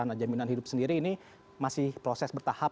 nah jaminan hidup sendiri ini masih proses bertahap